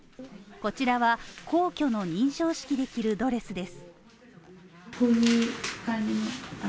こちらは皇居の認証式で着るドレスです。